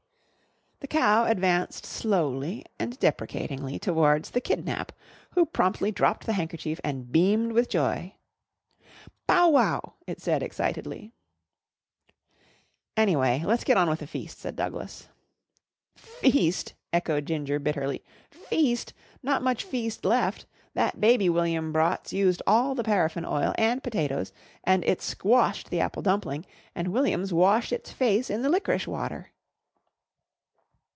The cow advanced slowly and deprecatingly towards the "kidnap," who promptly dropped the handkerchief and beamed with joy. "Bow wow!" it said excitedly. "Anyway, let's get on with the feast," said Douglas. "Feast!" echoed Ginger bitterly. "Feast! Not much feast left! That baby William brought's used all the paraffin oil and potatoes, and it's squashed the apple dumpling, and William's washed its face in the licorice water."